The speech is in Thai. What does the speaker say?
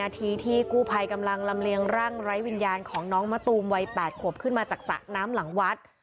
ที่กู้ภัยกำลังลำเลียงร่างไร้วิญญาณของน้องมะตูมวัย๘ขวบขึ้นมาจากสระน้ำหลังวัด